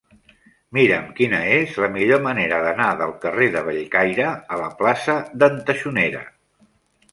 Mira'm quina és la millor manera d'anar del carrer de Bellcaire a la plaça d'en Taxonera.